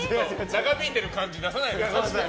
長引いてる感じ出さないでね。